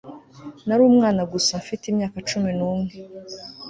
nari umwana gusa, mfite imyaka cumi n'umwe